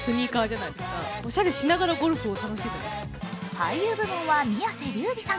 俳優部門は宮世琉弥さん。